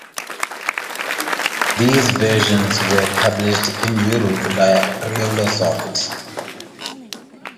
These versions were published in Europe by Ariolasoft.